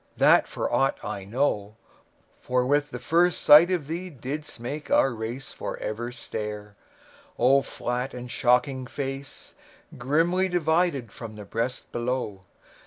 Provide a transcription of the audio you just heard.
that for aught I know, With the first sight of thee didst make our race For ever stare! O flat and shocking face, Grimly divided from the breast below!